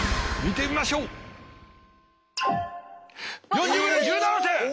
４０分の１７点。